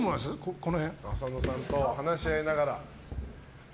浅野さんと話し合いながら。